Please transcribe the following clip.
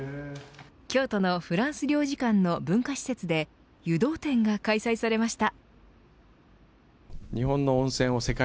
京都のフランス領事館の文化施設で湯道展が開催されました。